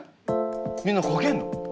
みんな書けんの？